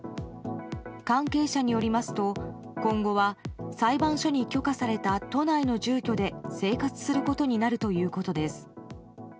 関係者によりますと、今後は裁判所に許可された都内の住居で生活することになるということです。